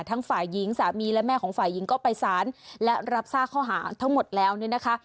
ฝ่ายหญิงสามีและแม่ของฝ่ายหญิงก็ไปสารและรับทราบข้อหาทั้งหมดแล้วเนี่ยนะคะ